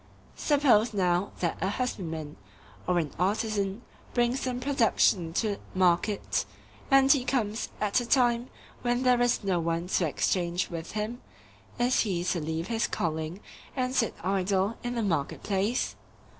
Suppose now that a husbandman, or an artisan, brings some production to market, and he comes at a time when there is no one to exchange with him,—is he to leave his calling and sit idle in the market place?